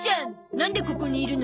なんでここにいるの？